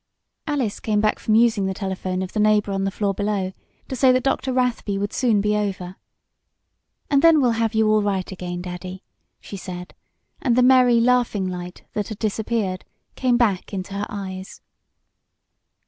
Alice came back from using the telephone of the neighbor on the floor below to say that Dr. Rathby would soon be over. "And then we'll have you all right again, Daddy!" she said, and the merry, laughing light that had disappeared came back into her eyes.